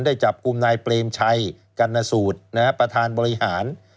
ได้จับกลุ่มนายเปรมชัยกรรณสูตรประธานบริหาร